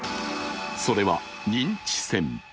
それは認知戦。